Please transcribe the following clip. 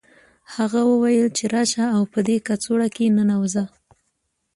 هغه وویل چې راشه او په دې کڅوړه کې ننوځه